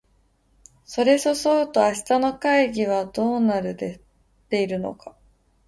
それそそうと明日の会議はどうなっているのか